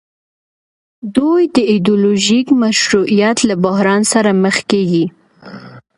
دوی د ایډیولوژیک مشروعیت له بحران سره مخ کیږي.